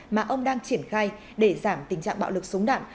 mà ông đang triển khai để giảm tình trạng bạo lực súng đạn